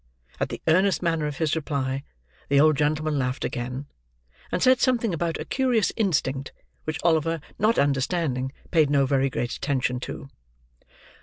At the earnest manner of his reply, the old gentleman laughed again; and said something about a curious instinct, which Oliver, not understanding, paid no very great attention to.